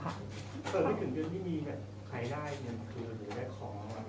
เกิดไม่ถึงเงินที่มีเนี้ยใครได้เงินคืนหรือได้ของรางวัล